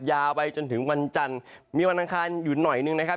ยาวไปจนถึงวันจันทร์มีวันอังคารอยู่หน่อยหนึ่งนะครับ